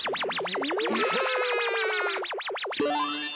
うわ！